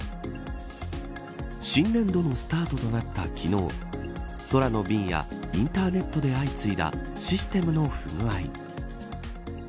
新年度のスタートとなった昨日空の便やインターネットで相次いだシステムの不具合。